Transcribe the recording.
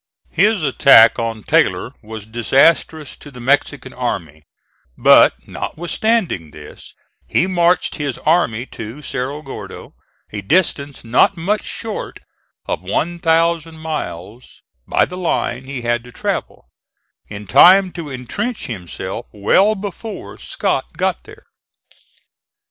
His attack on Taylor was disastrous to the Mexican army, but, notwithstanding this, he marched his army to Cerro Gordo, a distance not much short of one thousand miles by the line he had to travel, in time to intrench himself well before Scott got there.